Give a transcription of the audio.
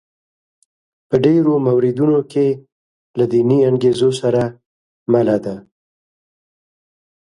په ډېرو موردونو کې له دیني انګېزو سره مله دي.